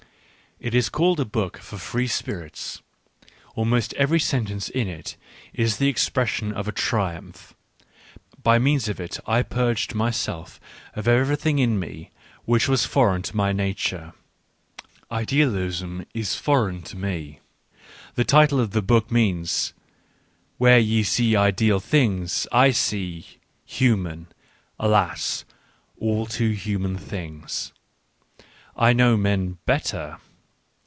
It is called a book for free spirits : almost every sentence in it is the ex pression of a triumph — by means of it I purged my self of everything in me which was foreign to my nature. Idealism is foreign to me : the title of the Digitized by Google WHY I WRITE SUCH EiCELLENT BOOKS 83 book means :" Where ye see ideal things I see — human, alas ! all too human things !"... I know men better.